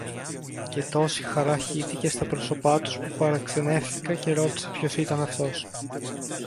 Και τόση χαρά χύθηκε στα πρόσωπα τους, που παραξενεύθηκα και ρώτησα ποιος ήταν αυτός.